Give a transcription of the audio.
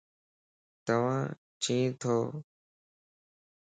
تُوا چين تو؟